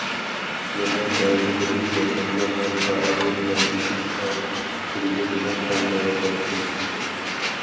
يەنە بەزىلىرى ياشانغانلار پائالىيەت مەركىزىنىڭ ئالدىنى سۈپۈرگە بىلەن تازىلاۋاتاتتى.